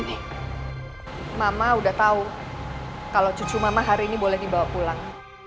mama udah tahu kalau cucu mama hari ini boleh dibawa pulang